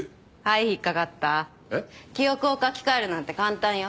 はい引っ掛かった記憶を書き換えるなんて簡単よ。